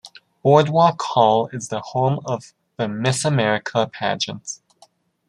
Boardwalk Hall is the home of the Miss America Pageant.